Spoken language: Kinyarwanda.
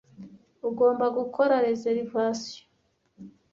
Ugomba gukora reservation.